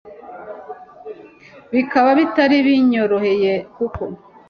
bikaba bitari binyoroheye kuko